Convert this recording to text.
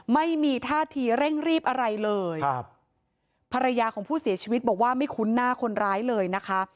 ไม่มีท่าทีเร่งรีบอะไรเลยครับภรรยาของผู้เสียชีวิตบอกว่าไม่คุ้นหน้าคนร้ายเลยนะคะ